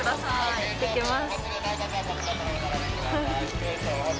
行ってきます。